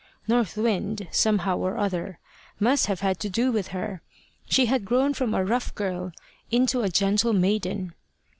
North Wind, somehow or other, must have had to do with her! She had grown from a rough girl into a gentle maiden.